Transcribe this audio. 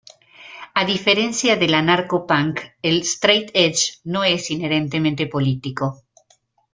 A diferencia del anarcopunk, el "straight edge" no es inherentemente político.